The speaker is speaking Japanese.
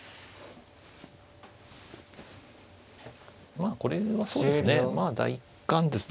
まあこれはそうですねまあ第一感ですね